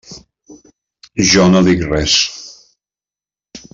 Jo no dic res.